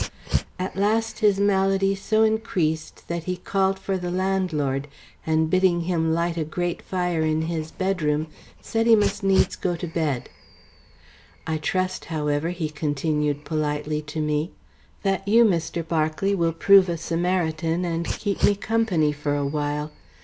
At last his malady so increased that he called for the landlord, and bidding him light a great fire in his bedroom said he must needs go to bed. "I trust, however," he continued politely to me, "that you, Mr. Berkeley, will prove a Samaritan, and keep me company for a while.